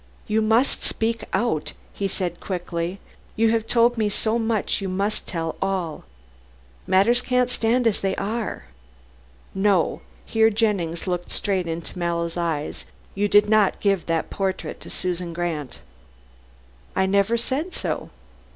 "You must speak out," he said quickly, "you have told me so much you must tell me all. Matters can't stand as they are. No," here Jennings looked straight into Mallow's eyes, "you did not give that portrait to Susan Grant." "I never said so."